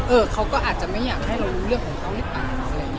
เออเขาก็อาจจะไม่อยากให้เรารู้เรื่องของเขานิดหนึ่ง